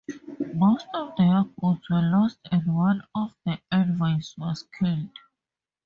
Most of their goods were lost and one of the envoys was killed.